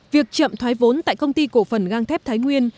việc chậm thoái vốn tại công ty cổ phần gang thép thái nguyên